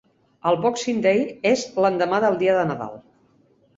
El Boxing Day és l'endemà del dia de Nadal.